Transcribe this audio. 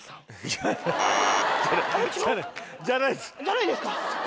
じゃないですか。